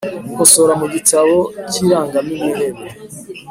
gukosora mu gitabo cy irangamimirere